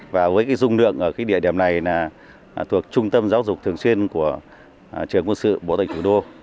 và với dung lượng ở địa điểm này là thuộc trung tâm giáo dục thường xuyên của trường quân sự bộ tư lệnh thủ đô